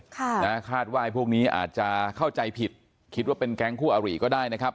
ค่ะนะคาดว่าพวกนี้อาจจะเข้าใจผิดคิดว่าเป็นแก๊งคู่อาริก็ได้นะครับ